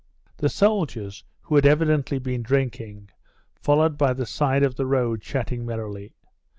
The soldiers, who had evidently been drinking, followed by the side of the road, chatting merrily.